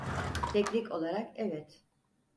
Teknik olarak evet.